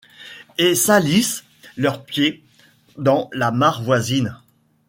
Et salissent leurs pieds dans la mare voisine.